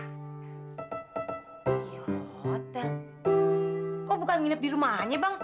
di hotel kok bukan nginep di rumahnya bang